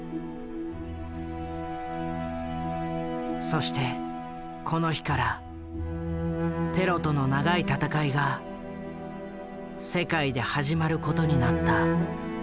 そしてこの日からテロとの長い戦いが世界で始まる事になった。